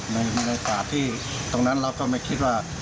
ในฝ่าที่ตรงนั้นลองไม่คิดว่า